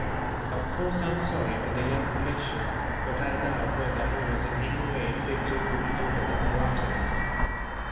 Of course, I am sorry for the young Peishwa; but I doubt whether he was in any way fit to rule over the Mahrattas.